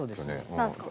何ですか？